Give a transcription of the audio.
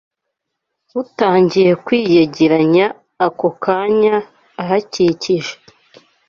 rutangiye kwiyegeranya ako kanya ahakikije